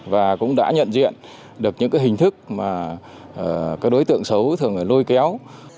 và cũng đã nhận diện được những hình thức mà các đối tượng xấu thường lôi kéo